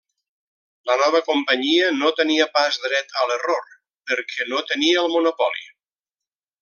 La nova Companyia no tenia pas dret a l'error, perquè no tenia el monopoli.